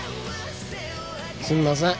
すんません。